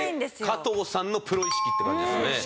加藤さんのプロ意識って感じですね。